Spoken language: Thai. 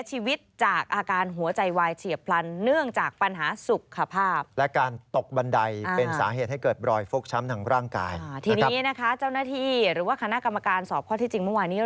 ทีนี้นะคะเจ้าหน้าที่หรือว่าคณะกรรมการสอบข้อที่จริงเมื่อวานนี้